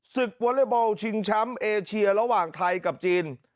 วอเล็กบอลชิงแชมป์เอเชียระหว่างไทยกับจีน